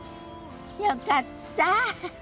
よかった。